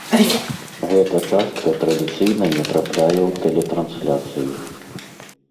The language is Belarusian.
Гэта частка традыцыйна не трапляе ў тэлетрансляцыю.